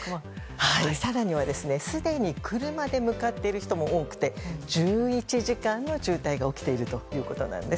更には、すでに車で向かっている人も多くて１１時間の渋滞が起きているということです。